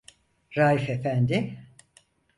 Raif efendi: